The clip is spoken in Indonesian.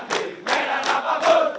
di medan apapun